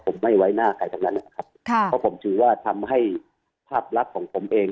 ผมไม่ไว้หน้าใครทั้งนั้นนะครับค่ะเพราะผมถือว่าทำให้ภาพลักษณ์ของผมเอง